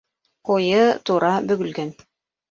Ҡуйы, тура, бөгөлгән.